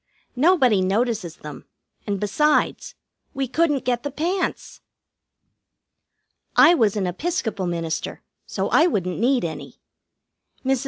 Nobody notices them, and, besides, we couldn't get the pants. I was an Episcopal minister, so I wouldn't need any. Mrs.